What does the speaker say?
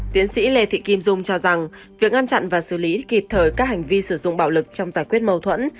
tiến sĩ lê thị kim dung cho rằng việc ngăn chặn và xử lý kịp thời các hành vi sử dụng bạo lực trong giải quyết mâu thuẫn